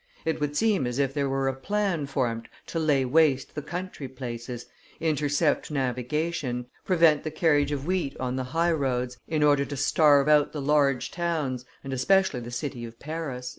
It would seem as if there were a plan formed to lay waste the country places, intercept navigation, prevent the carriage of wheat on the high roads, in order to starve out the large towns, and especially the city of Paris."